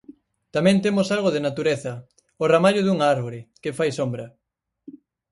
Tamén temos algo de natureza: o ramallo dunha árbore, que fai sombra.